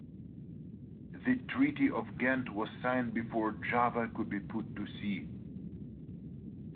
The Treaty of Ghent was signed before "Java" could be put to sea.